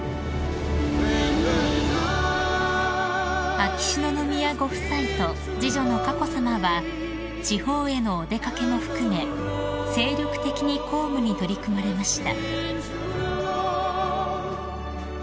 ［秋篠宮ご夫妻と次女の佳子さまは地方へのお出掛けも含め精力的に公務に取り組まれました］